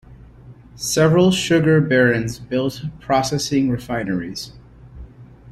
Several sugar barons built processing refineries.